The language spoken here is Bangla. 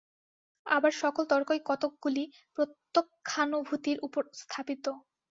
আবার সকল তর্কই কতকগুলি প্রত্যক্ষানুভূতির উপর স্থাপিত।